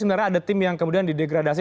sebenarnya ada tim yang kemudian didegradasi